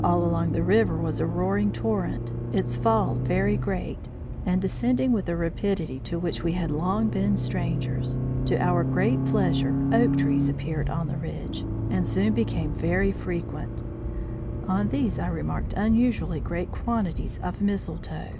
All along, the river was a roaring torrent, its fall very great; and, descending with a rapidity to which we had long been strangers, to our great pleasure oak trees appeared on the ridge, and soon became very frequent; on these I remarked unusually great quantities of mistletoe.